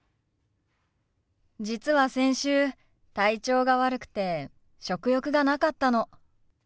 実は先週体調が悪くて食欲がなかったの。